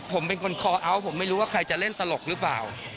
ผมเป็นคนคอเอาท์ผมไม่รู้ว่าใครจะเล่นตลกหรือเปล่า